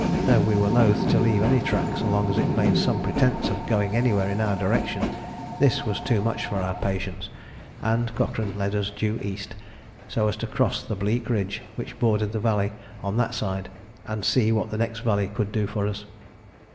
Though we were loth to leave any track so long as it made some pretence of going anywhere in our direction, this was too much for our patience, and Cochrane led us due east, so as to cross the bleak ridge which bordered the valley on that side and see what the next valley could do for us.